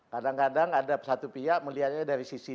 kadang kadang ada satu pihak melihatnya dari sisi